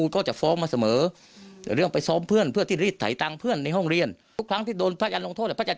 แต่โดยภึกติกรรมของเด็กอะ